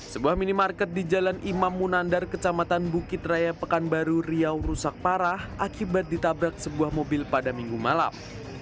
sebuah minimarket di jalan imam munandar kecamatan bukit raya pekanbaru riau rusak parah akibat ditabrak sebuah mobil pada minggu malam